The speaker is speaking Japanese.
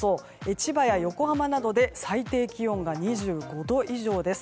千葉や横浜などで最低気温が２５度以上です。